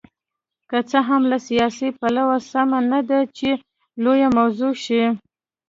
که څه هم له سیاسي پلوه سمه نه ده چې لویه موضوع شي.